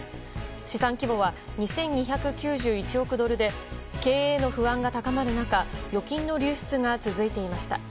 資産規模は２２９１億ドルで経営への不安が高まる中預金の流出が続いていました。